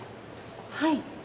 はい。